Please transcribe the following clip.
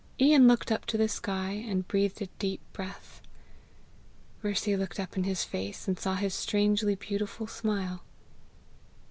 Ian looked up to the sky, and breathed a deep breath. Mercy looked up in his face, and saw his strangely beautiful smile.